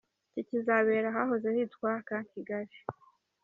Iki kizabera ahahoze hitwa Camp Kigali.